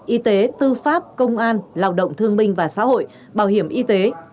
y tế tư pháp công an lao động thương minh và xã hội bảo hiểm y tế